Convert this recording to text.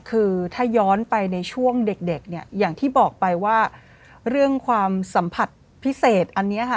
คือถ้าย้อนไปในช่วงเด็กเนี่ยอย่างที่บอกไปว่าเรื่องความสัมผัสพิเศษอันนี้ค่ะ